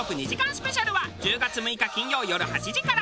スペシャルは１０月６日金曜よる８時から。